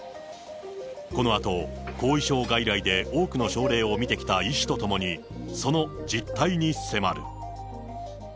このあと、後遺症外来で多くの症例を見てきた医師と共に、その実態に迫る。